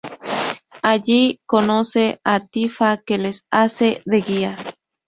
Allí, conoce a Tifa, que les hace de guía.